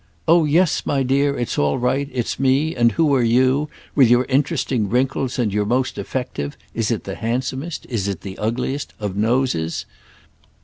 "Oh yes, my dear, it's all right, it's me; and who are you, with your interesting wrinkles and your most effective (is it the handsomest, is it the ugliest?) of noses?"